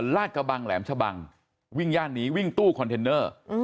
ลาดกระบังแหลมชะบังวิ่งย่านนี้วิ่งตู้คอนเทนเนอร์